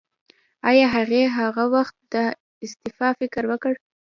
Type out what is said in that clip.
ایا هغې هغه وخت د استعفا فکر وکړ؟